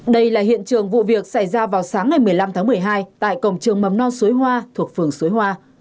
đây là hiện trường vụ việc xảy ra vào sáng ngày một mươi năm tháng một mươi hai tại cổng trường mầm non suối hoa thuộc phường suối hoa